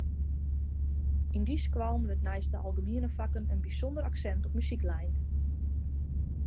Yn dy skoallen wurdt neist de algemiene fakken in bysûnder aksint op muzyk lein.